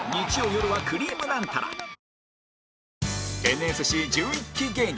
ＮＳＣ１１ 期芸人